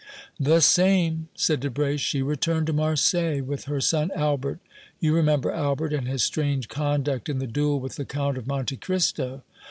"The same," said Debray. "She returned to Marseilles with her son Albert. You remember Albert and his strange conduct in the duel with the Count of Monte Cristo?"